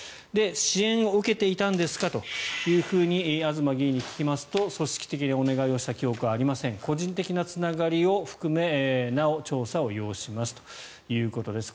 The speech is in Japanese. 支援を受けていたんですかと東議員に聞きますと組織的にお願いをした記憶はありません個人的なつながりを含めなお調査を要しますということです。